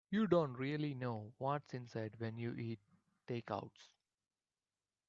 You don't really know what's inside when you eat takeouts.